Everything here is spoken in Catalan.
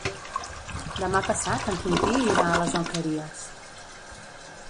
Demà passat en Quintí irà a les Alqueries.